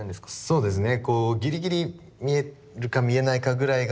そうですね。